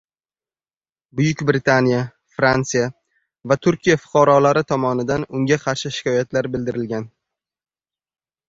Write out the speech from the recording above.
Buyuk Britaniya, Fransiya va Turkiya fuqarolari tomonidan unga qarshi shikoyatlar bildirilgan.